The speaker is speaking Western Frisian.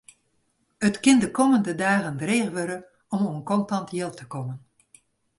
It kin de kommende dagen dreech wurde om oan kontant jild te kommen.